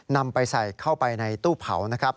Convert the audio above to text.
นำไปใส่เข้าไปในตู้เผานะครับ